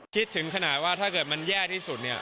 คิดถึงขนาดว่าถ้าเกิดมันแย่ที่สุดเนี่ย